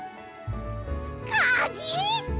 かぎ！